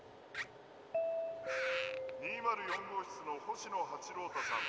「２０４号室の星野八郎太さん。